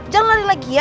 jangan lari lagi ya